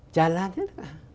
tràn lan hết